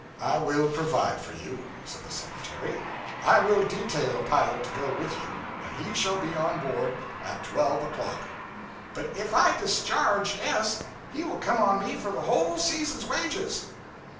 'I will provide for you,' said the secretary. 'I will detail a pilot to go with you, and he shall be on board at twelve o'clock.' 'But if I discharge S , he will come on me for the whole season's wages.'